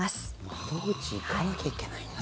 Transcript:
窓口行かなきゃいけないんだ。